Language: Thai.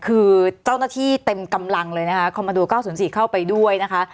คือเจ้าหน้าที่เต็มกำลังเลยนะคะคอมมาโด๙๐๔เข้าไปด้วยนะคะ